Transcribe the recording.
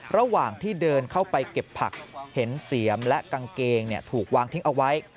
ระหว่างที่เดินเข้าไปเก็บผักเห็นเสียมและกางเกงถูกวางทิ้งเอาไว้